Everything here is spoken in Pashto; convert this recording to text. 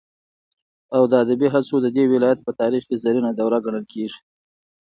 او د ادبي هڅو ددې ولايت په تاريخ كې زرينه دوره گڼل كېږي.